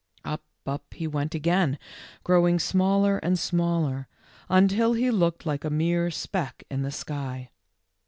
Up, up, he went again, growing smaller and smaller, until he looked like a mere speck in the sky.